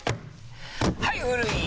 はい古い！